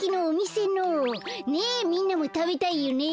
ねえみんなもたべたいよね？